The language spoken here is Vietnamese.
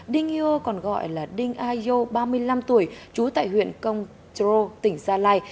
dinh hiu còn gọi là dinh ai yo ba mươi năm tuổi trú tại huyện cong tro tỉnh gia lai